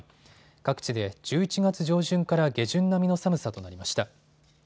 各地で１１月上旬から下旬並みの寒さとなりました。